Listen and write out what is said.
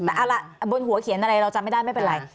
แต่เอาล่ะบนหัวเขียนอะไรเราจำไม่ได้ไม่เป็นไร